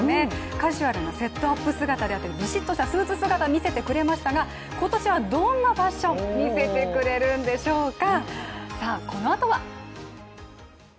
カジュアルなセットアップ姿であったり、びしっとしたスーツ姿を見せてくれましたが今年はどんなファッションみせてくれるんでしょうか。